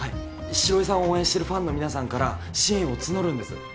城井さんを応援してるファンのみなさんから支援を募るんです。